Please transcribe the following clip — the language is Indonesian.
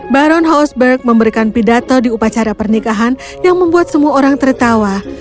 baron hozberg memberikan pidato di upacara pernikahan yang membuat semua orang tertawa